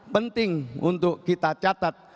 penting untuk kita catat